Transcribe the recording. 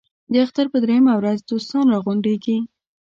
د اختر په درېیمه ورځ دوستان را غونډېږي.